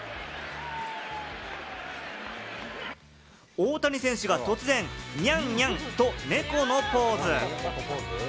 大谷選手が突然、ニャンニャンと猫のポーズ。